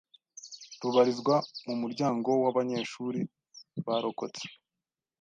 rubarizwa mu muryango w’abanyeshuri barokotse